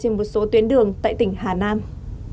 còn một số tuyến đường tại tỉnh hà nam